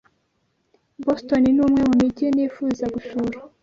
Boston ni umwe mu mijyi nifuza gusura